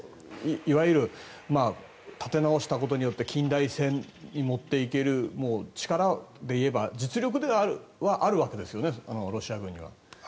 いわゆる立て直したことによって近代戦に持っていける力でいえば実力ではあるわけですよね。